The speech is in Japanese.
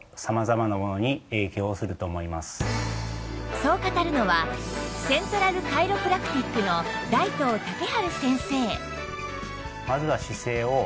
そう語るのはセントラルカイロプラクティックの大藤武治先生